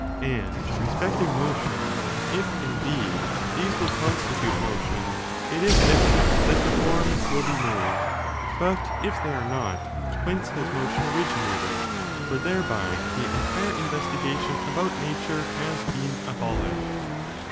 And respecting motion, if, indeed, these will constitute motion, it is evident that the forms will be moved; but if they are not, whence has motion originated? for thereby the entire investigation about Nature has been abolished.